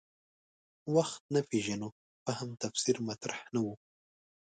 وخت نه پېژنو فهم تفسیر مطرح نه و.